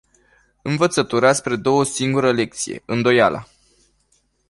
Învățătura îți predă o singură lecție: îndoiala!